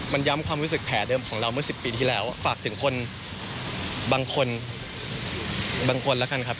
มันย้ำความรู้สึกแผลเดิมของเราเมื่อ๑๐ปีที่แล้วฝากถึงคนบางคนบางคนแล้วกันครับ